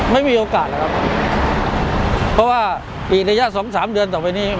ไม่มีโอกาสหรอกครับเพราะว่าอีกระยะสองสามเดือนต่อไปนี้